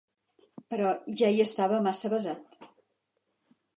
Però ja hi estava massa avesat.